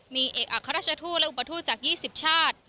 มีเอกอัครราชทู้และอุปถุจากยี่สิบชาติ